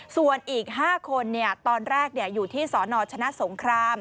ส่วนอีก๕คนตอนแรกอยู่ที่สนชนะสงคราม